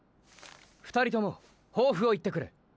２人とも抱負を言ってくれ。